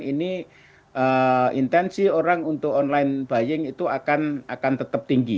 ini intensi orang untuk online buying itu akan tetap tinggi